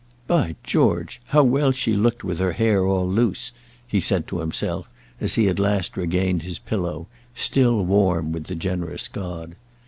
"By George! how well she looked with her hair all loose," he said to himself, as he at last regained his pillow, still warm with the generous god.